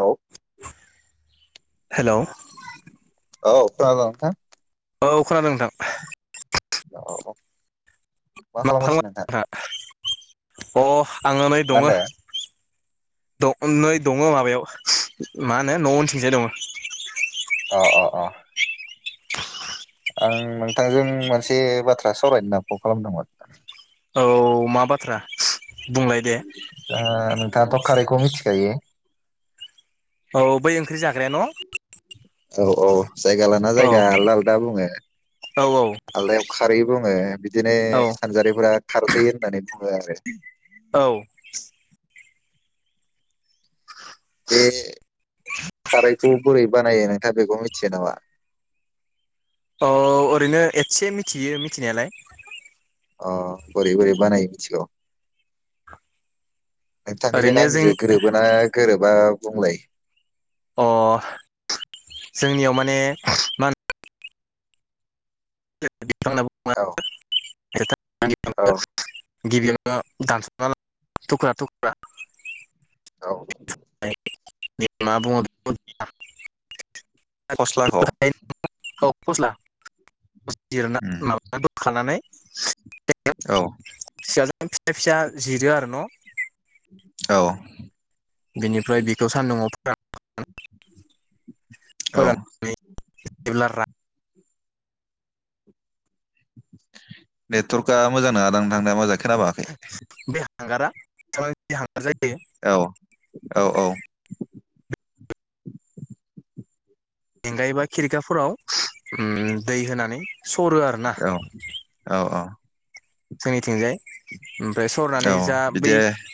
औ हेलौ औ खोनादों नोंथां? औ खोनादों नोंथां । अ औ । मा खालामगासिनो नोंथां? अ आङो नै मा दङ । होनदो दङ नै दङ माबायाव मा होनो न' उनथिंजाय दङ । अ अ अ आं नोंथांजों मोनसे बाथ्रा सावरायनो ना खल खालामदोंमोन । औ मा बाथ्रा? बुंलाय दे दा नोंथाङाथ' खारैखौ मिथि खायो? औ बै ओंख्रि जाग्राया न? औ औ । जायगा लाना जायगा आलदा आलदा बुङो औ आलदायाव खारै बुं ए बि बिदिनो औ सानजारिफोरा खारदै होननानै बुङो आरो औ। बे खारैखौ बोरै बानायो नोंथाङा बेखौ मिथियो नामा? औ ओरैनो एथसे मिथियो मिथिनायालाय । अ बोरै बोरै बानायो मिथिगौ? नोंथांनिजों ओरैनो जों आंनिजों गोरोबोना गोरोबा बुंलाय । अ जोंनियाव माने मा होन [inaudible] औ । [unintelligible] [unintelligible] गिबियावनो दानसना ला थुख्रा थुख्रा औ । बे मा बुङो [unintelligible] फस्लाखौ [unintelligible] खौ फस्ला उम [unintelligible] बोखानानै [unintelligible] औ सिया जों फिसा फिसा जिदों आरो न' औ बिनिफ्राय बेखौ सान्दुंआव [unintelligible] औ [unintelligible] नेटवर्कआ मोजां नोङा दां नोंथांना माजाङै खोनाबाङाखै । बे हांगारा [unintelligible] औ औ औ जेंगायबा खिरिखाफोराव उम दै होनानै सरो आरोना औ औ औ जोंनिथिंजाय ओमफ्राय सरनानै औ जा बिदि बै औ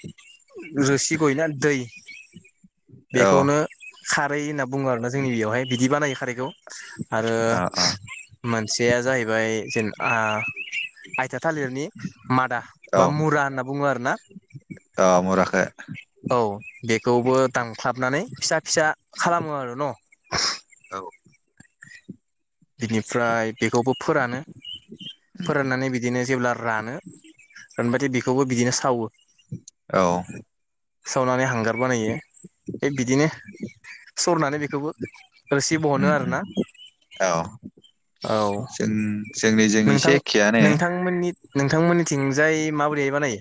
रोसि गयोना दै बेखौनो औ खारै होनना बुङो आरोना जोंनि बेयावहाय बिदि बानायो खारैखौ । आरो औ मोनसेया जाहैबाय जेन आ आयथा थालिरनि मादा औ बा मुरा होनना बुङो आरो ना औ मुराखो औ बेखौबो दांख्लाबनानै फिसा फिसा खालामो आरो न' औ बिनिफ्राय बेखौबो फोरानो उम फोराननानै बिदिनो जेब्ला रानो रानबाथाय बेखौबो बिदिनो सावो । औ सावनानै हांगार बानायो थिग बिदिनो सरनानै बेखौबो रोसि उम बहोनो उम आरोना । औ जों जोंनि जों नोंथां एसे एखेयानो नोंथांमोननि नोंथांमोननिथिंजाय माबोरैहाय बानायो?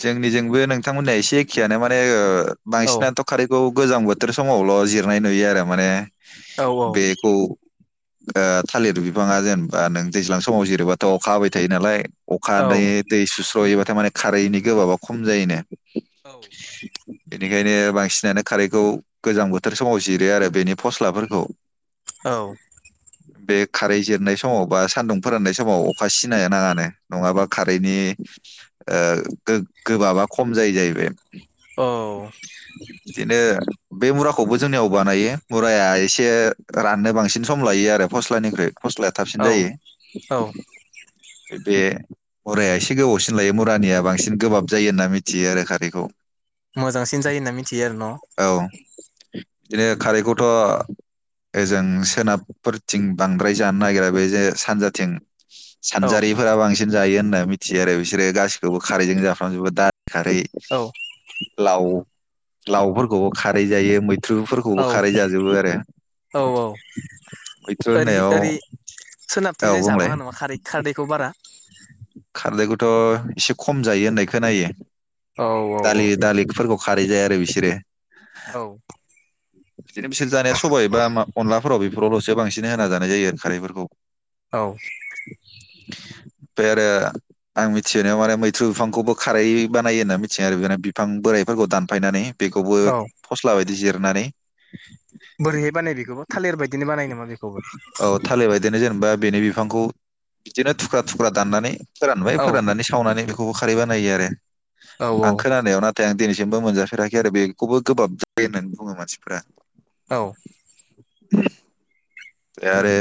जोंनि जोंबो नोंथांमोननिया एसे एखेयानो माने ओ औ बायसिनाथ' खारिखौ गोजां बोथोर समावल' जिरनाय नुयो आरो माने औ बेखौ ओ थालिर बिफाङा जेनेबा नों दैज्लां समाव जिरबाथ' अखा हाबाय थायो नालाय अखा औ हादै दै सु दहायब थारमाने औ बेनिखायनो बांसिनानो खारैखौ गोजां बोथोर समाव जिरो आरो बेनि फस्लाफोरखौ औ बे खारै जिरनाय समाव बा सान्दुं फोराननाय समाव अखा सिनाय ओ गो गोबाबा खम जायो जाहैबाय औ ब बे मुराखौबो जोंनियाव बानायो फस्लाया थाबसिन औ जायो औ बे हरायाया एसे गोबावसिन लायो मुरानिया बांसिन गोबाब जायो होन्ना मिथियो आरो खारैखौ मोजांसिन जायो होनना मिथियो आरो न' औ बिदिनो खारैखौथ' ओजों सोनाबफोरथिं बांद्राय जानो नागिरा बे जे सानजाथिं औ सानजारिफोरा बांसिन जायो होनना मिथियो आरो बिसोरो गा गासिखौबो खारैजों जाफ्राजोबो दा खारै औ लाव लावहुर खौबो खारै जायो मैथ्रुफोरखौबो औ खारै जाजोबो आरो औ मैथ्रु होननायाव सोनाबथिं औ जाय बुंलाय जाबाङा नामा खारै खारदैखौ बारा खारदैखौथ' एसे खम जायो होननाय खोनायो औ दालि औ दालि खुरबग खारै जाया आरो बिसोरो औ बिदिनो बिसोर जानाया सबाय बा मा अनला हराव बेफोरावल'सो बांसिन होना जानाय जायो खारैफोरखौ औ बे बे आं मिथिनायाव आरो मैथ्रु बिफांखौबो खारै बानायो होन्ना मिथियो आरो बिनो बिफां बोराइफोरखौ दानफायनानै बेखौबो औ फस्ला बायदि जिर मारै बोरै' है बानायो बिखौबो थालिर बादिनो बानायो नामा बेखौ औ थालिरबायदिनो जेनेबा बेनि बिफांखौ बिदिनो थुख्रा थुख्रा दाननानै फोरानबाय औ फोराननानै सावनानै बेखौबो खारै बानायो आरो औ आं खोनानाय अ नाथाय आं दिनै जमबो [unintelligible] मोनजाफेराखै आरो बेखौबो गोबाब जायो होननानै बुङो मानसिफोरा औ द [unintelligible] आरो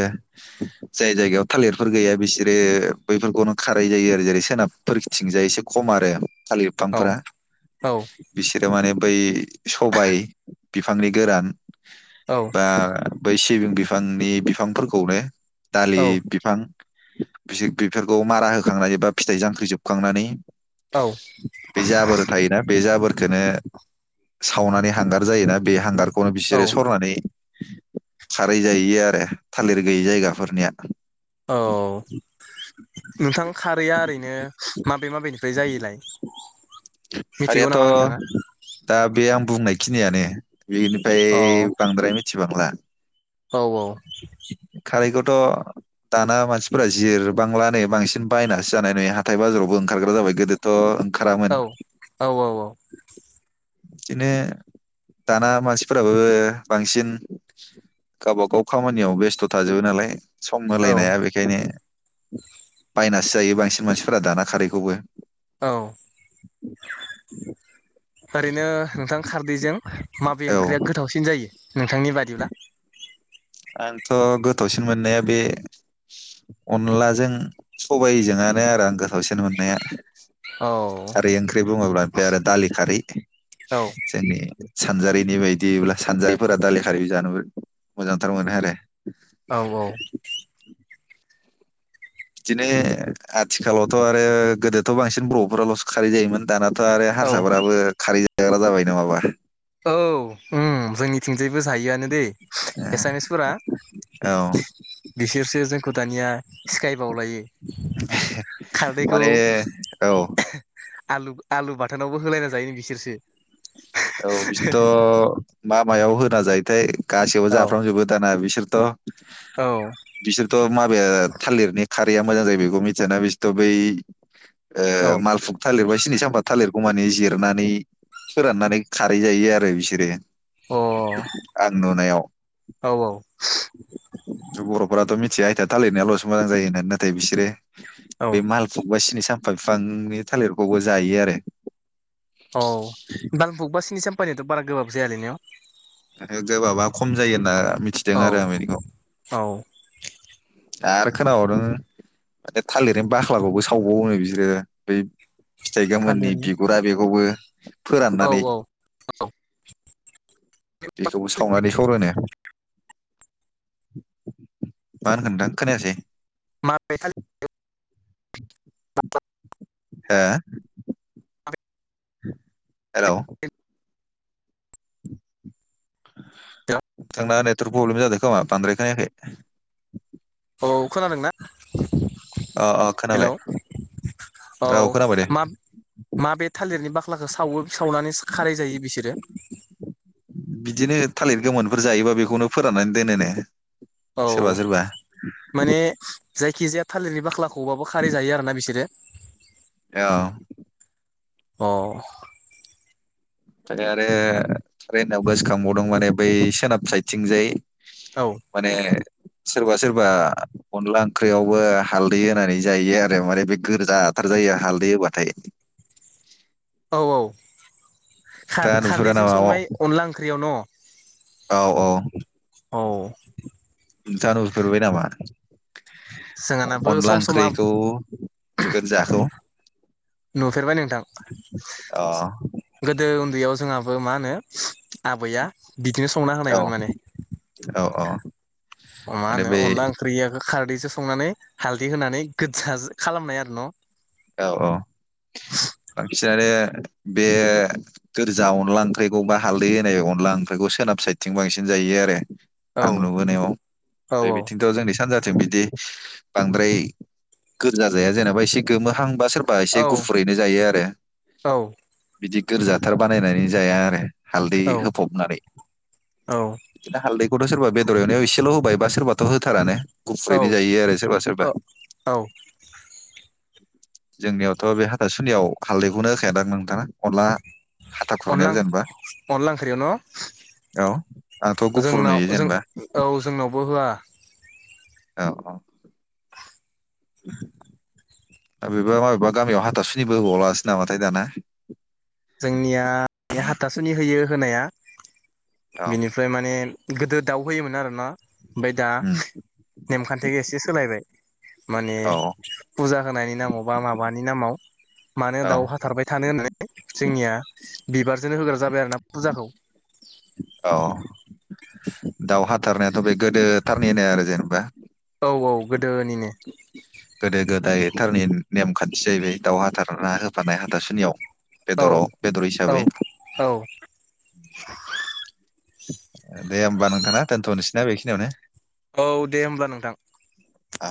जाय जायगायाव थालिरफोर गैया बिसोरो बैफोरखौनो खारै जायो आरो जेरै सोनाबफोरथिंजाय एसे खम आरो थालिर बिफांफोरा बिसोर थारमाने बै सबाय बिफांनि गोरान । बा बै [unintelligible] बे बिफांफोरखौनो दालि औ बिफां बेफोरखौ मारा होखांनानै एबा फिथाइ जांख्रिजोबखांनानै औ बे जाबोरथायो ना बेजाबोर सावनानै हांगार जायोना बे हांगार खुनु औ बिसोरो सरनानै। [inaudible] बादि जायो आरो थालिर गैयि जायगाफोरनिया औ नोंथां खारैया ओरैनो माबे माबेनिफ्राय जायोलाय मिथिगौ खारियाथ' नामा नोंथाङा दा बेया बुंनायखिनियानो बिनिफ्राय अ बांद्राय मिथि ब [unintelligible] औ औ खारैखौथ' दाना मानसिफोरा जिरबांला नै बांसिन बायनासो जानाय नुयो हाथाय बाजाराव ओंखारग्रा जाबाय गोदोथ' औ ओंखारामोन। औ बिदिनो दाना मानसिफोराबो बांसिन गावबागाव खामानियाव बेस्थ' थाजोबो नालाय सम औ होलायनाया बेखायनो बायनासो जायो बांसिन मानसिफोरा दाना खारैखौबो औ ओरैनो नोंथां खारदैजों माबे औ ओंख्रिया गोथावसिन जायो नोंथांनि बादिब्ला आंथ' गोथावसिन मोननाया बे अनलाजों, सबायजोंआनो आरो आं गोथावसिन मोननाया औ खारै ओंख्रि बुङोब्ला बे आरो दालि खारै औ जोंनि सानजारिनि बायदिब्ला सानजारिफोरा दालि खारै जानो मोजां थार मोनो आरो औ -औ बिदिनो आथिखालावथ' आरो गोदोथ' बांसिन बर' फोराल'सो खारै जायोमोन दानाथ' आरो औ हारसाफोराबो खारै जायो दाग्रा जाबाय नामाबा औ ओ जोंनिथिंजायबो जायोआनो दे एसामिसफोरा औ बिसोरसो जों दानिया सिकाय बावलायो खारदैखौ माने औ आलु - आलु बाथोनावबो होलायना जायो बिसोरसो औ बिसिनोथ' मा मायाव होना जायोथाय गासैयावबो औ जाफ्रामजोबो दाना बिसोर द' औ बिसोरथ' मा बबे थालिरनि खारैया मोजां जायो बेखौ मिथियाना बिसोरथ' बै औ अ औ ओ मालफुग थालिरबा सिनि साम्पा थालिर अ मानि जिरनानै फोराननानै खारै जायो आरो बिसोरो आं नुनायाव औ जों बर'फोराथ' मिथिया आयथिया थालिरनियाल'सो मोजां जायो होननानै नाथाय बिसोरो बे औ माल फुग बा सिनि साम बिफांनि थालिरखौबो जायो आरो औ बां बुग बास सिनि सम्पानियाथ' बार गोबाब जायालै न' गोबाबा खम जायो ना मिथिदों औ आरो आमेरिकाव औ आरो खोनाबावदों ओ थालिर बाख्लाखौबो सावबावो बिसोरो बै फिथाइ गोमोननि थालिरनि बिगुरा बेखौबो औ फोराननानै औ औ बेखौबो सावनानै सरोनो मा हनखो नोंथां खोनायासै माबे थालिर [unintelligible] हो [inaudible] हेल' [inaudible] थांना [unintelligible] थ्रग प्रब्लेम जादों खोमा बांद्राय खोनायाखै औ खोनादों ना? अ अ हेल' खोनाबाय औ औ खोनाबाय दे मा माबे थालिरनि खलाखौ सावो सावनानै खारै जायो बिसोरो बिदिनो थालिर गोमोनफोर जायोबा बेखौनो फोराननानै दोनोनो औ सोरबा सोरबा माने जायखिजाया थालिरनि बाख्लाखौबाबो खारै जायो आरोना बिसोरो? अ अ [unintelligible] आरो ट्रेनाव गोसोखांबावदों माने बै सोनाब साइथिंजाय औ [inaudible] माने सोरबा सोरबा अनला ओंख्रियावबो हालदै होनानै जायो आरो माने बे गोजाथार जायो हालदै होबाथाय औ औ खार नोंथाङा नुहुरा खारदैजों नामा संनाय अनला ओंख्रियाव न'? औ औ औ जानुसफोरबाय नामा? जोंहानाबो अनला सम सम ओंख्रिखौ गोजाखौ नुफेरबाय नोंथां अ दैयाव जोंहाबो मा होनो आबैया बिदिनो संना औ होनायमोन माने औ औ मा माने होनो बै अनला ओंख्रिआखो खारदै सो संनानै हालदै होनानै गोजा खालामनाय आरो न' औ औ बांसिनानो बे गोरजा अनला ओंख्रिखौ बा हालदै होनाय अनला ओंख्रिखौ सोनाब साइदथिं बांसिन जायो आरो औ आं नुबोनायाव बे औ बिथिंथ' जोंनि सानजा जों बिदि बांद्राय गोजा जाया जेनेबा एसे गोमोहां बा सोरबा एसे औ गुफुरैनो जायो आरो औ बिदि गोरजाथार बानायनानै जाया आरो। हालदै होफबनानै औ बिदिनो हालदै। थक्षसोरबा बेदर एनायाव एसेल होब बा सोरबा। होथारानो उखैनो जायो आरो सोरबा औ सोरबा। औ जोंनियावथ बे हाथासुनियाव हालदैखौनो होखायायाादों नोंथाङा अनला। हाथा अनला खुरनायाव जेनेबा अनला ओंख्रियाव न' औ आंथ गुफुर नुयो जेनेबा। बवा। औ-औ [inaudible] बेेबा माबेबा गामियाव हाथासुनिबो हवावलासै नामाथाय दाना। जोंनिया हाथासुनि होयो होनाया। औ बिनिफ्राय माने गोदो दाउ होयोमोन आरो ना। ओमफ्राय दा उम नेमखान्थिखौ एसे सोलायबाय। माने औ फुजा होनायनि नामाव बा माबानि नामाव। मानो औ दाउ हाथारबाय थानो होनो। जोंनिया बिबारजोंनो होग्रा जाबाय आरो ना फुजाखौ दावाह थारनायाथ बे। गोदोथारनिनाय आरो जेनेबा। औ औ गोदोनिनो। गोदो गोदायथारनि नेमखान्थि जाहैबाय दाउ हाथारना होफानाय हाथारसुनियाव। औ बेदराव बेदर औ हिसाबै। औ दे होमबा नोंथाना दोनथ नोसैनाा बेखिनियावनो। औ दे होमब्ला नोंथां। औ